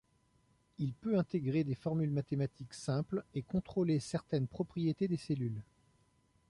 Il peut intégrer des formules mathématiques simples et contrôler certaines propriétés des cellules.